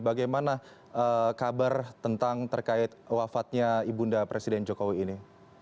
bagaimana kabar tentang terkait wafatnya ibunda presiden jokowi ini